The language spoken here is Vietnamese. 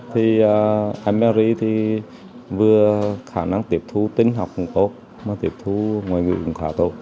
thì mary thì vừa khả năng tiếp thu tiếng học cũng tốt mà tiếp thu ngoài ngữ cũng khá tốt